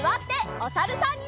おさるさん。